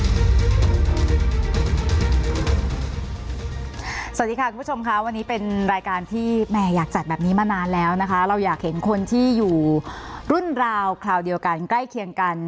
สวัสดีค่ะคุณผู้ชมค่ะวันนี้เป็นรายการที่แม่อยากจัดแบบนี้มานานแล้วนะคะเราอยากเห็นคนที่อยู่รุ่นราวคราวเดียวกันใกล้เคียงกัน